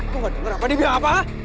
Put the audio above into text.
lo gak denger apa dia bilang apa ha